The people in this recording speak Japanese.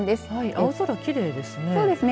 青空きれいですね。